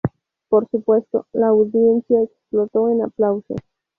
Por supuesto, la audiencia explotó en aplausos.